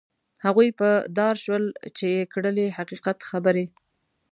هغوی په دار شول چې یې کړلې حقیقت خبرې.